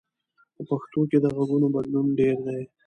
په پښتو کې د غږونو بدلون ډېر دی.